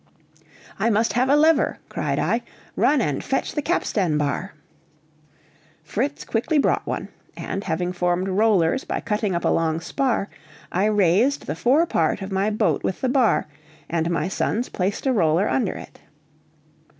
"I must have a lever," cried I. "Run and fetch the capstan bar!" Fritz quickly brought one, and, having formed rollers by cutting up a long spar, I raised the fore part of my boat with the bar, and my sons placed a roller under it.